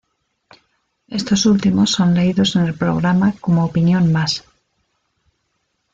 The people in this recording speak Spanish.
Estos últimos son leídos en el programa como opinión más.